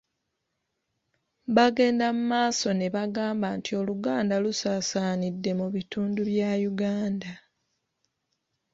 Bagenda mu maaso ne bagamba nti Oluganda lusaasaanidde mu bitundu bya Uganda.